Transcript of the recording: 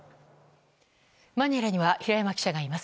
マニラには平山記者がいます。